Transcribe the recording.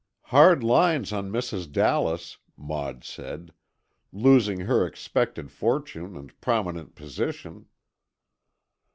"Hard lines on Mrs. Dallas," Maud said, "losing her expected fortune and prominent position."